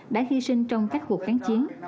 đã hy sinh trong các cuộc kháng chiến